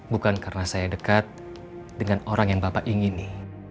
bukan karena saya dekat dengan orang yang bapak ingini